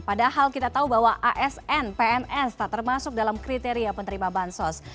padahal kita tahu bahwa asn pns tak termasuk dalam kriteria penerima bansos